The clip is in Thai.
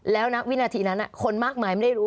แล้วณวินาทีนั้นคนมากมายไม่ได้รู้